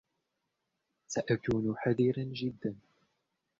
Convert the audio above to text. سأكون حذرا جدا.